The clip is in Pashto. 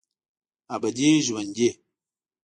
ابدي ژوندي